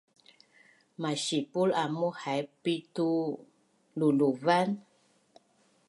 Masipul amuu haipit luvluvan?